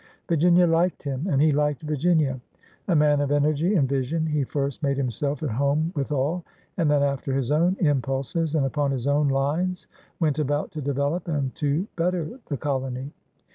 Vir ginia liked him, and he liked Virginia. A man of energy and vision, he first made himself at home with all, and then after his own impulses and upon his own lines went about to develop and to better the colony.